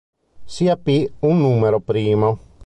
Sia p un numero primo.